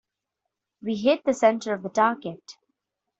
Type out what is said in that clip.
We hit the center of the target.